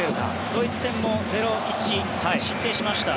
ドイツ戦も０−１失点しました。